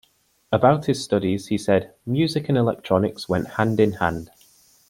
About his studies, he said "music and electronics went hand in hand".